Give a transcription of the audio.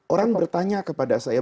orang bertanya kepada saya